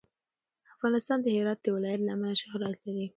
افغانستان د هرات د ولایت له امله شهرت لري.